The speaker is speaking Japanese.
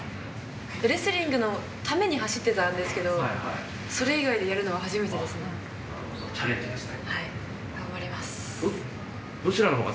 レスリングのために走ってたんですけど、それ以外でやるのは初めなるほど、チャレンジですね。